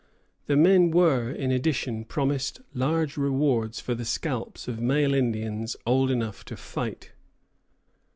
The men were, in addition, promised large rewards for the scalps of male Indians old enough to fight.